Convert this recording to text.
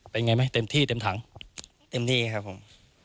เป็นไงไหมเต็มที่เต็มถังเต็มที่ครับผม